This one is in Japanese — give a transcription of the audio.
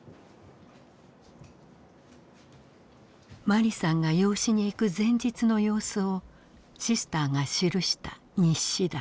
マリさんが養子に行く前日の様子をシスターが記した日誌だ。